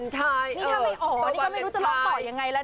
นี่ถ้าไม่อ๋อนี่ก็ไม่รู้จะร้องต่อยังไงแล้ว